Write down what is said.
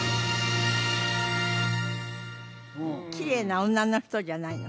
きれいな女の人じゃないの？